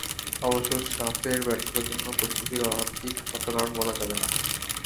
অবশ্য সাফের ব্যর্থতার জন্য শুধু প্রস্তুতির অভাবকেই একমাত্র কারণ বলা যাবে না।